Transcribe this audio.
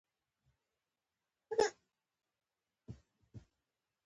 شیان په دوه شکلو د مایکروسکوپ په واسطه معاینه کیږي.